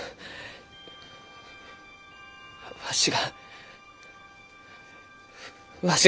わしがわしが！